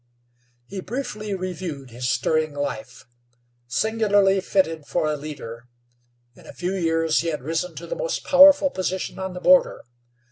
He briefly reviewed his stirring life. Singularly fitted for a leader, in a few years he had risen to the most powerful position on the border.